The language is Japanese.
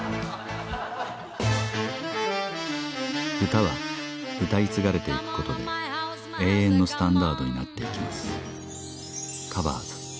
歌は歌い継がれていくことで永遠のスタンダードになっていきます